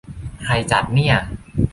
ใครจัดเนี่ย ?